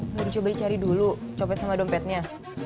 nggak dicoba dicari dulu copet sama dompetnya